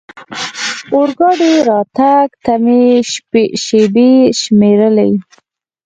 اورګاډي راتګ ته مې شېبې شمېرلې.